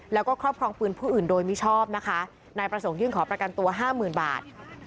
แล้วก็ครอบครองปืนผู้อื่นโดยมิชอบนะคะนายประสงค์ยื่นขอประกันตัวห้าหมื่นบาท